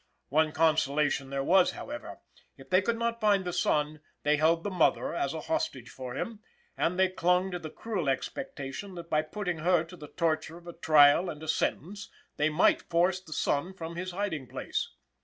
One consolation there was, however if they could not find the son, they held the mother as a hostage for him, and they clung to the cruel expectation that by putting her to the torture of a trial and a sentence, they might force the son from his hiding place.